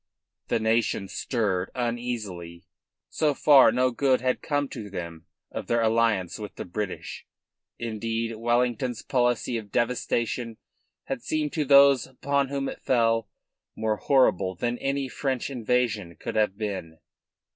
The nation stirred uneasily. So far no good had come to them of their alliance with the British. Indeed Wellington's policy of devastation had seemed to those upon whom it fell more horrible than any French invasion could have been.